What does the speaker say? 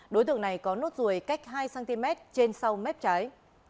đối tượng này có nốt ruồi cách hai cm trên sau mép trái